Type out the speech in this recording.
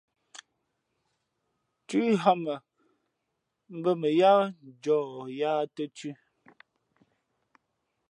Thʉ́ ghāmα̌ mbᾱ mα yáá njαh yāā tα̌ thʉ̄.